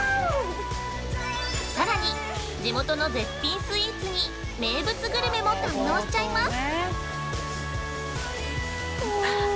さらに、地元の絶品スイーツに名物グルメも堪能しちゃいます。